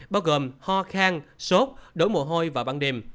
bao gồm ho khang sốt đổi mồ hôi và băng điềm